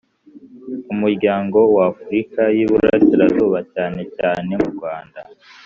umuryango w Afurika y Iburasirazuba cyane cyane mu rwanda